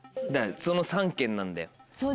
その３県なんだよ。